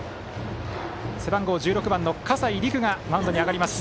背番号１６番の葛西陸がマウンドに上がります。